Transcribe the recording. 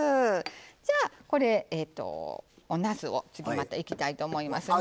じゃあこれおなすを次またいきたいと思いますね。